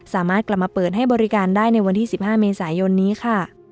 สามารถกลับมาเปิดให้บริการได้ในวันที่๑๕เมษายนนี้ค่ะ